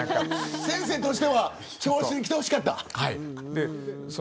先生としては教室に来てほしかった。